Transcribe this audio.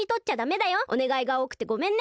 おねがいがおおくてごめんね。